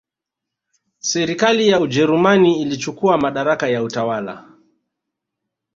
Serikali ya Ujerumani ilichukua madaraka ya utawala